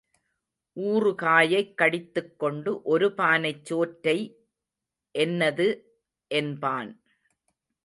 ஊறுகாயைக் கடித்துக் கொண்டு ஒரு பானைச் சோற்றை என்னது என்பான்.